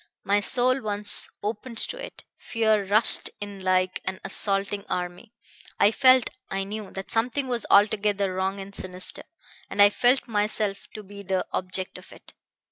My soul once opened to it, fear rushed in like an assaulting army. I felt I knew that something was altogether wrong and sinister, and I felt myself to be the object of it.